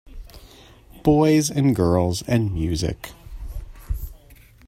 Boys and girls and music.